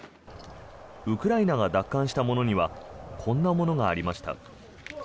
ウクライナが奪還したものにはこんなものがありました。